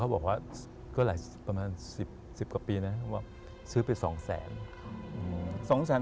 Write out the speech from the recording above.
เขาบอกว่าประมาณ๑๐กว่าปีนะว่าซื้อไป๒๐๐๐๐๐บาท